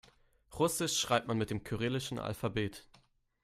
Russisch schreibt man mit dem kyrillischen Alphabet.